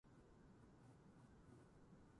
協力求む